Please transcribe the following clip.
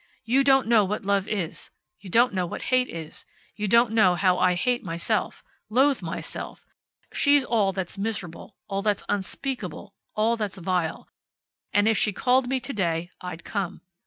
You don't know what love is. You don't know what hate is. You don't know how I hate myself. Loathe myself. She's all that's miserable, all that's unspeakable, all that's vile. And if she called me to day I'd come.